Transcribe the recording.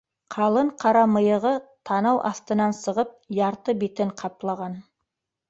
Ҡалын ҡара мыйығы, танау аҫтынан сығып, ярты битен ҡаплаған.